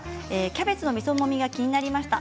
キャベツのみそもみが気になりました。